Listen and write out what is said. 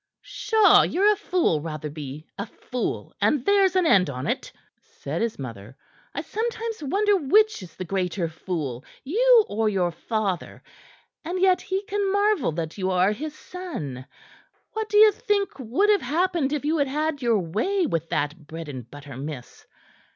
"Pshaw! Ye're a fool, Rotherby a fool, and there's an end on't," said his mother. "I sometimes wonder which is the greater fool you or your father. And yet he can marvel that you are his son. What do ye think would have happened if you had had your way with that bread and butter miss?